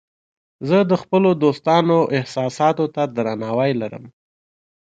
زه د خپلو دوستانو احساساتو ته درناوی لرم.